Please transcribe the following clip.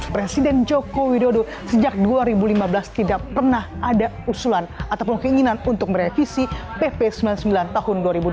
presiden joko widodo sejak dua ribu lima belas tidak pernah ada usulan ataupun keinginan untuk merevisi pp sembilan puluh sembilan tahun dua ribu dua belas